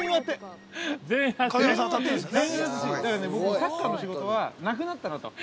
サッカーの仕事はなくなったなと。